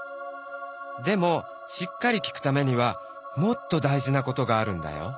でもしっかり聞くためにはもっと大じなことがあるんだよ。